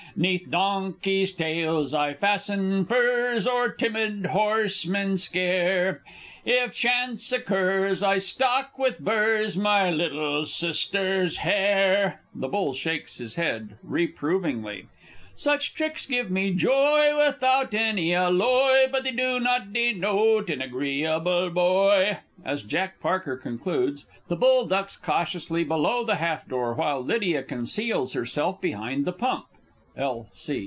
'Neath donkeys' tails I fasten furze, Or timid horsemen scare; If chance occurs, I stock with burrs My little Sister's hair! [The Bull shakes his head reprovingly. Such tricks give me joy without any alloy, But they do not denote an agreeable boy! [As JACK PARKER concludes, the Bull ducks cautiously below the half door, while LYDIA conceals herself behind the pump, L.